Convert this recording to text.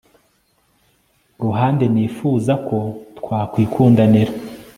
ruhande nifuza ko twakwikundanira